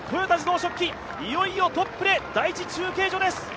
豊田自動織機、いよいよトップで第１中継所です。